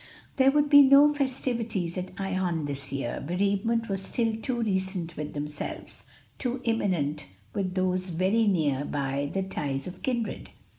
There would be no festivities at Ion this year, bereavement was still too recent with themselves, too imminent with those very near by the ties of kindred.